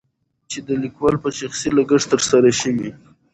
چې دليکوال په شخصي لګښت تر سره شوي.